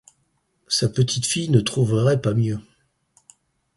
Sa petite-fille ne trouverait pas mieux.